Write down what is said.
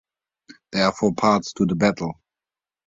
There are four parts to the battle.